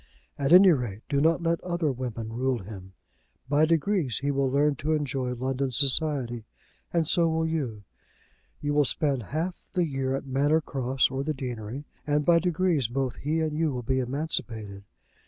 "At any rate, do not let other women rule him. By degrees he will learn to enjoy London society, and so will you. You will spend half the year at Manor Cross or the deanery, and by degrees both he and you will be emancipated.